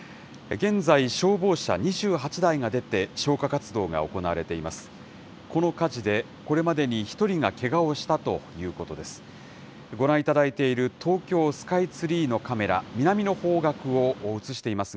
現在、消防車２８台が出て、消火活動が行われています。